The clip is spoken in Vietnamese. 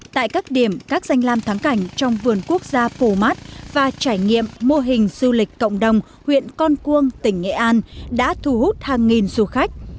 tại các điểm các danh lam thắng cảnh trong vườn quốc gia phù mát và trải nghiệm mô hình du lịch cộng đồng huyện con cuông tỉnh nghệ an đã thu hút hàng nghìn du khách